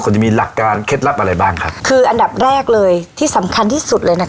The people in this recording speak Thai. จะมีหลักการเคล็ดลับอะไรบ้างครับคืออันดับแรกเลยที่สำคัญที่สุดเลยนะคะ